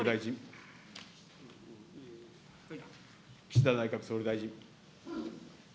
岸田内閣総理大臣。